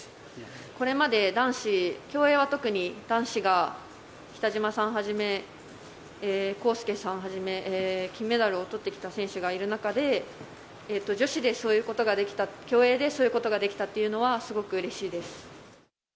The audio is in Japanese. これまで男子、競泳は特に男子が、北島さんはじめ、康介さんはじめ、金メダルをとってきた選手がいる中で、女子でそういうことができた、競泳でそういうことができたっていうのは、すごくうれしいです。